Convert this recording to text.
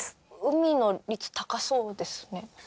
海の率高そうですね。